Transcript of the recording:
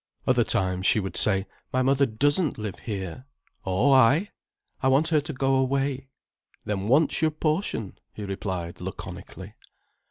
Other times she would say: "My mother doesn't live here." "Oh, ay?" "I want her to go away." "Then want's your portion," he replied laconically.